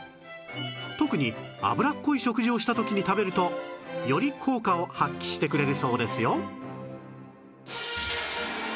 特に脂っこい食事をした時に食べるとより効果を発揮してくれるそうですよ